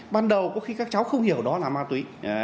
ban đầu có khi các cháu không hiểu đó là ma túy